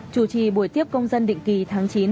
chủ trì buổi tiếp công dân định kỳ tháng chín